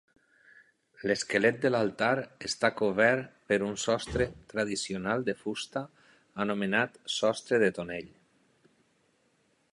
L'esquelet de l'altar està cover per un sostre tradicional de fusta anomenat sostre de tonell.